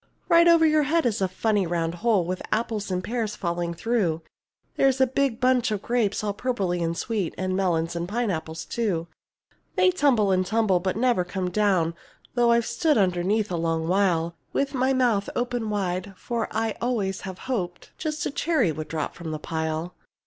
Right over your head is a funny round hole With apples and pears falling through; There's a big bunch of grapes all purply and sweet, And melons and pineapples too. They tumble and tumble, but never come down Though I've stood underneath a long while With my mouth open wide, for I always have hoped Just a cherry would drop from the pile.